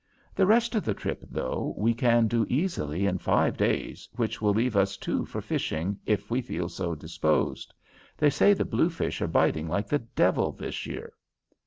The rest of the trip, though, we can do easily in five days, which will leave us two for fishing, if we feel so disposed. They say the blue fish are biting like the devil this year."